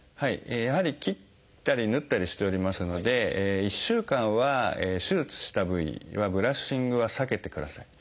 やはり切ったり縫ったりしておりますので１週間は手術した部位にはブラッシングは避けてください。